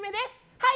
はい！